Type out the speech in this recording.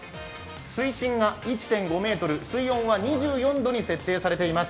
水深が１．５ｍ、水温は２４度に設定されています。